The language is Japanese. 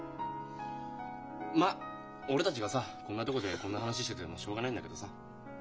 まっ俺たちがさこんなとこでこんな話しててもしょうがないんだけどさ。